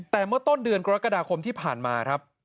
แต่เมื่อต้นเดือนกรกฎาคมที่ผ่านมาครับ